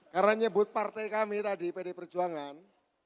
karena nyebut partai kami tadi pdi perjuangan